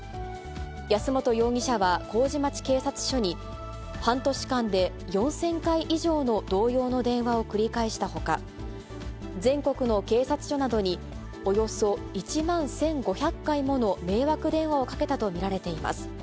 安本容疑者は麹町警察署に、半年間で４０００回以上の同様の電話を繰り返したほか、全国の警察署などにおよそ１万１５００回もの迷惑電話をかけたと見られています。